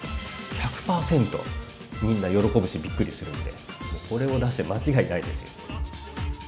１００％みんな喜ぶしびっくりするんでこれを出して間違いないですよ。